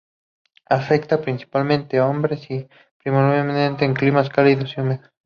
Afecta principalmente a hombres y predomina en climas cálidos y húmedos.